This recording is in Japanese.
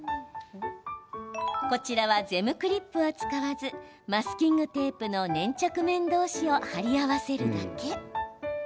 こちらはゼムクリップは使わずマスキングテープの粘着面同士を貼り合わせるだけ。